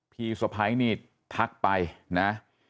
พี่สวัสดิ์ไพร์เนี่ยทักไปนะ